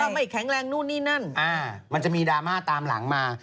ไม่แข็งแรงนู่นนี่นั่นมันจะมีดราม่าตามหลังมา